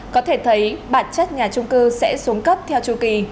có thể thấy bản chất nhà trung cư sẽ xuống cấp theo chu kỳ